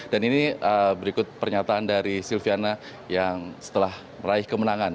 dan ini berikut pernyataan dari silviana yang setelah meraih kemenangan